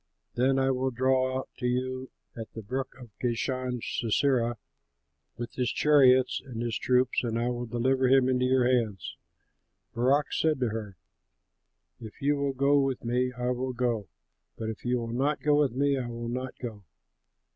Then I will draw out to you at the brook Kishon Sisera with his chariots and his troops, and I will deliver him into your hands.'" Barak said to her, "If you will go with me, I will go, but if you will not go with me, I will not go."